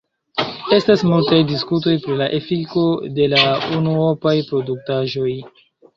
Estas multaj diskutoj pri la efiko de la unuopaj produktaĵoj.